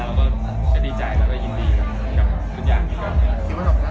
เราก็จะดีใจเราก็ยินดีกับกลุ่มตอนอย่างนี้ครับ